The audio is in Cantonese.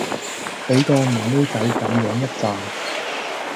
俾個妹妹仔咁樣一讚